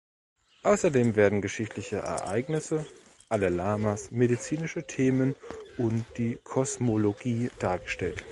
Außerdem werden geschichtliche Ereignisse, alle Lamas, medizinische Themen und die Kosmologie dargestellt.